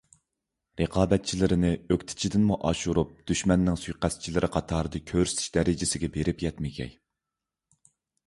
رىقابەتچىلىرىنى ئۆكتىچىدىنمۇ ئاشۇرۇپ «دۈشمەننىڭ سۇيىقەستچىلىرى» قاتارىدا كۆرسىتىش دەرىجىسىگە بېرىپ يەتمىگەي.